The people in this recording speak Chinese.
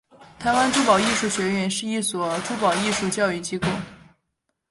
台湾珠宝艺术学院是一所珠宝艺术教育机构。